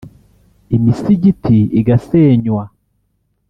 imisigiti igasenywa